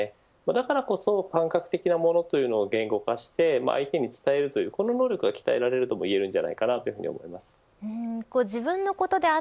だからこそ感覚的なものというのを言語化して相手に伝えるというこの能力が鍛えられると伸びるんじゃないかなと思います。